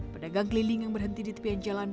pedagang keliling yang berhenti di tepian jalan